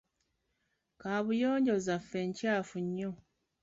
Kaabuyonjo zaffe nkyafu nnyo.